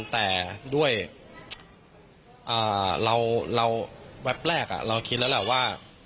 แต่ด้วยเราแวบแรกเราคิดแล้วแหละว่า